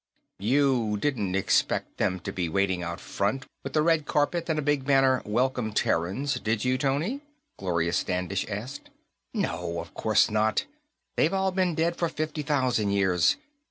"You didn't expect them to be waiting out front, with a red carpet and a big banner, Welcome Terrans, did you, Tony?" Gloria Standish asked. "No, of course not; they've all been dead for fifty thousand years.